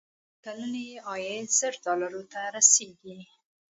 د سړي سر کلنی عاید زر ډالرو ته رسېږي.